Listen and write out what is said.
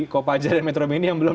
kopaja dan metro mini yang belum